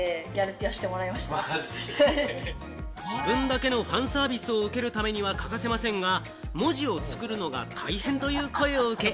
自分だけのファンサービスを受けるためには欠かせませんが、文字を作るのが大変という声を受けて、